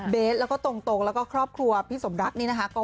สแล้วก็ตรงแล้วก็ครอบครัวพี่สมรักนี่นะคะ